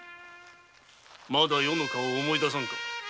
まだ余の顔を思い出さぬか。